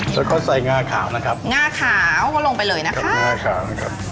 แล้วก็ใส่งาขาวนะครับง่าขาวก็ลงไปเลยนะคะง่าขาวนะครับ